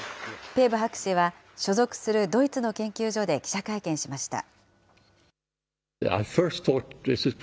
ペーボ博士は所属するドイツの研究所で記者会見しました。